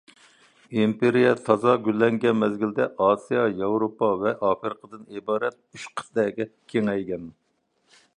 ئىمپېرىيە تازا گۈللەنگەن مەزگىلدە، ئاسىيا، ياۋروپا ۋە ئافرىقىدىن ئىبارەت ئۈچ قىتئەگە كېڭەيگەن.